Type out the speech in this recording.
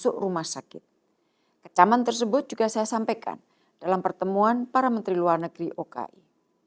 kecaman tersebut juga saya sampaikan dalam pertemuan para menteri luar negeri oki